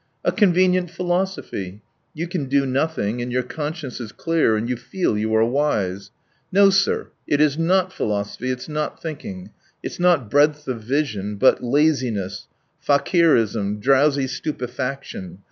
A convenient philosophy. You can do nothing, and your conscience is clear, and you feel you are wise .... No, sir, it is not philosophy, it's not thinking, it's not breadth of vision, but laziness, fakirism, drowsy stupefaction.